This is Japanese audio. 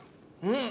うん！